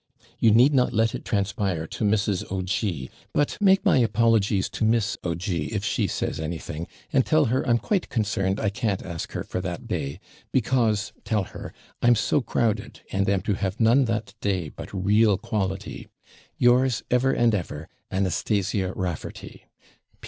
You need not let it transpire to Mrs. O'G ; but make my apologies to Miss O'G , if she says anything, and tell her I'm quite concerned I can't ask her for that day; because, tell her, I'm so crowded, and am to have none that day but REAL QUALITY. Yours ever and ever, ANASTASIA RAFFARTY.